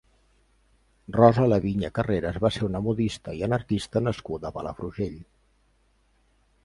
Rosa Laviña Carreras va ser una modista i anarquista nascuda a Palafrugell.